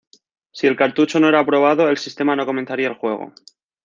Sí el cartucho no era aprobado el sistema no comenzaría el juego.